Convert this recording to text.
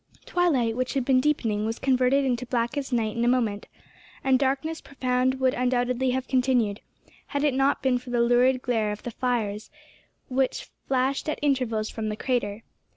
Twilight, which had been deepening, was converted into blackest night in a moment, and darkness profound would undoubtedly have continued, had it not been for the lurid glare of the fires which flashed at intervals from the crater.